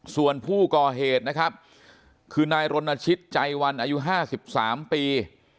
ส่วนผู้ก่อเหตุนะครับคือนายรณชิตใจวันอายุ๕๓ปี